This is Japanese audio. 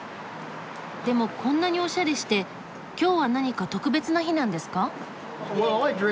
でもこんなにおしゃれして今日は何か特別な日なんですか？